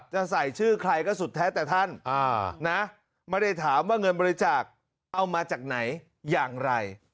จะใส่ชื่อใครก็สุดแท้แต่ท่านนะไม่ได้ถามว่าเงินบริจาคเอามาจากไหนอย่างไร